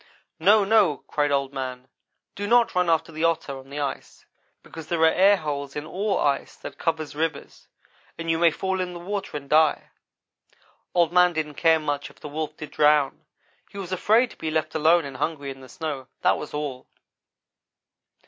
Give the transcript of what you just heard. "'No! No!' cried Old man, 'do not run after the Otter on the ice, because there are air holes in all ice that covers rivers, and you may fall in the water and die.' Old man didn't care much if the Wolf did drown. He was afraid to be left alone and hungry in the snow that was all.